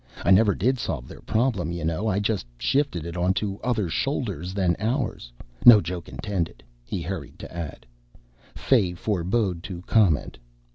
I never did solve their problem, you know. I just shifted it onto other shoulders than ours. No joke intended," he hurried to add. Fay forbore to comment.